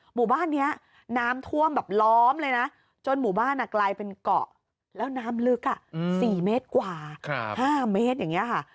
หมู่บ้านนี้น้ำท่วมแบบล้อมเลยนะจนหมู่บ้านกลายเป็นเกาะแล้วน้ำลึก๔เมตรกว่า๕เมตรอย่างนี้ค่ะ